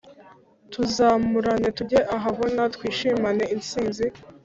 Tuzamurane tujye ahabona twishimire instinzi